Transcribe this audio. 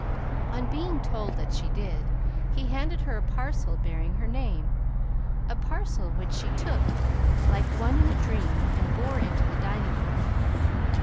On being told that she did, he handed her a parcel bearing her name, a parcel which she took like one in a dream and bore into the dining room.